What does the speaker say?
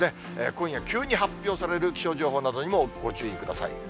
今夜、急に発表される気象情報などにもご注意ください。